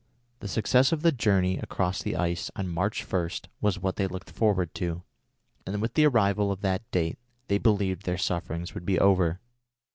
The success of the journey across the ice on March 1 was what they looked forward to, and with the arrival of that date they believed their sufferings would be over.